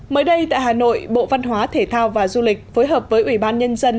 mới đây tại hà nội bộ văn hóa thể thao và du lịch phối hợp với ủy ban nhân dân